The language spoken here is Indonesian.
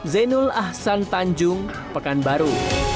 zainul ahsan tanjung pekanbaru